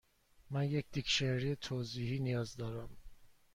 من یک دیکشنری توضیحی نیاز دارم.